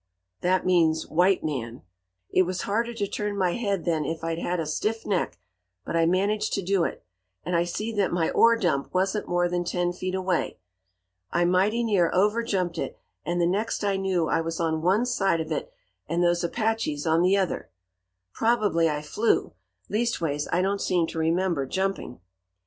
That means 'white man.' It was harder to turn my head than if I'd had a stiff neck; but I managed to do it, and I see that my ore dump wasn't more than ten foot away. I mighty near overjumped it; and the next I knew I was on one side of it and those Apaches on the other. Probably I flew; leastways I don't seem to remember jumping.